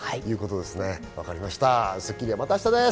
では『スッキリ』はまた明日です。